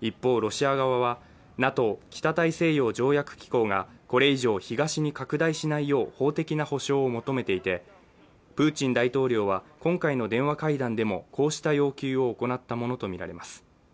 一方、ロシア側はＮＡＴＯ＝北大西洋条約機構がこれ以上、東に拡大しないよう法的な保証を求めていて、プーチン大統領は今回の電話会談でもこうした要求を行ったものとみられます。